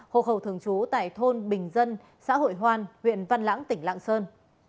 hộ khẩu thường trú tại thôn bình dân xã hội hoan huyện văn lãng tỉnh lạng sơn